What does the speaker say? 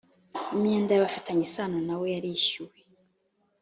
imyenda y abafitanye isano nawe yarishyuwe